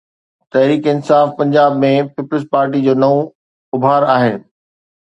تحريڪ Insaf Punjab ۾ Peoples Party جو نئون اڀار آهي.